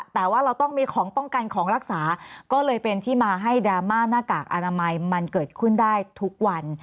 แต่ว่าเราต้องมีของป้องกันของรักษาก็เลยเป็นที่มาให้ดราม่าหน้ากากอนามัยมันเกิดขึ้นได้ทุกวัน